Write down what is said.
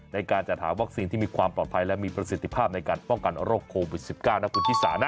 ในการจัดหาวัคซีนที่มีความปลอดภัยและมีประสิทธิภาพในการป้องกันโรคโควิด๑๙นะคุณชิสานะ